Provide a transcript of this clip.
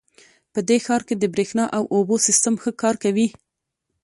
په دې ښار کې د بریښنا او اوبو سیسټم ښه کار کوي